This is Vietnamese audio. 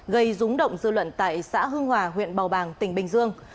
gây rúng động dư luận tại xã hưng hòa huyện bào bàng tỉnh bình dương